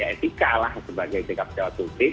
etika lah sebagai sikap pejabat publik